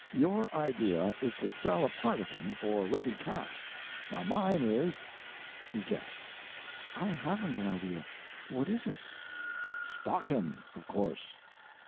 Your idea is to sell a part of him for ready cash. Now mine is—guess." "I haven't an idea. What is it?" "Stock him—of course."